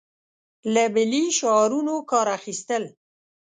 له ملي شعارونو کار اخیستل.